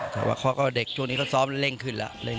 แต่ว่าคู่นี้พวกเขาสร้างการก็เร่งขึ้นแล้ว